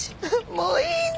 もういいの。